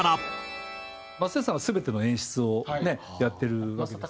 松任谷さんは全ての演出をねやってるわけですから。